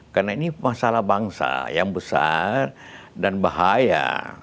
karena ini masalah bangsa yang besar dan bahaya